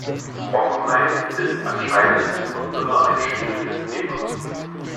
Offenheit ist anscheinend noch immer ein schwieriges Thema.